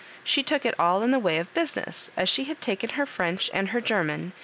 She took it all in the way of business, as she had taken her French and her German